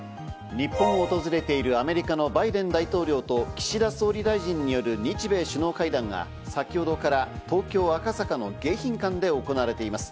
日本を訪れているアメリカのバイデン大統領と岸田総理大臣による日米首脳会談がさきほどから東京・赤坂の迎賓館で行われています。